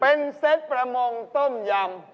เป็นเซตประมงต้มยำ